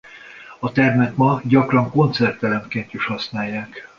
A termet ma gyakran koncertteremként is használják.